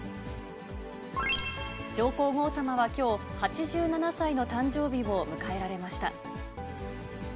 上皇后さまはきょう、８７歳の誕生日を迎えられました。